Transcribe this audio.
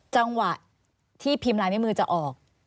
จังหวะที่พิมพ์ลายนิ้วมือจะออก